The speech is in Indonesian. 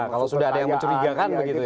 kalau sudah ada yang mencurigakan begitu ya